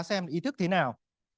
xem ý thức thế nào